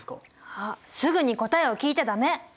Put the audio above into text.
あっすぐに答えを聞いちゃ駄目！